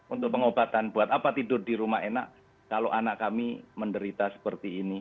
untuk pengobatan buat apa tidur di rumah enak kalau anak kami menderita seperti ini